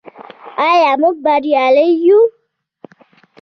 آیا موږ بریالي یو؟